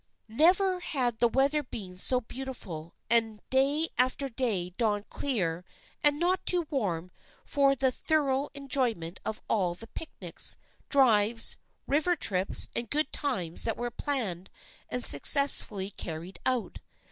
Never had the weather been so beautiful, and day after day dawned clear and not too warm for the thorough enjoyment of all the picnics, drives, river trips and good times that were planned and successfully car ried out.